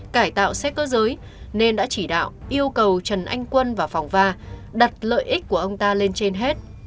cải tạo xe cơ giới nên đã chỉ đạo yêu cầu trần anh quân và phòng va đặt lợi ích của ông ta lên trên hết